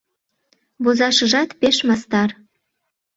Возашыжат пеш мастар.